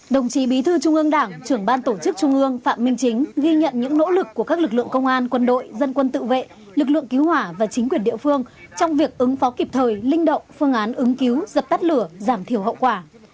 đồng chí bí thư trung ương đảng trưởng ban tổ chức trung ương phạm minh chính ghi nhận những nỗ lực của các lực lượng công an quân đội dân quân tự vệ lực lượng cứu hỏa và chính quyền địa phương trong việc ứng phó kịp thời linh động phương án ứng cứu dập tắt lửa giảm thiểu hậu quả